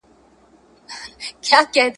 د لوګي په څېر به ورک سي په خپل ځان کي ,